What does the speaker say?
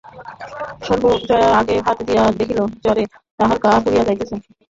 সর্বজয়া গায়ে হাত দিয়া দেখিল জ্বরে তাহার গা পুড়িয়া যাইতেছে।